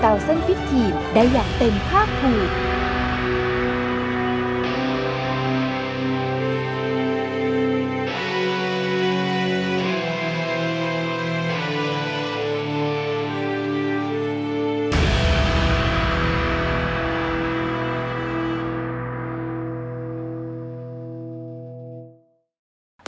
และสามารถทำให้ชาวไทยผิดหวังเพราะสามารถทำหน้าที่สุด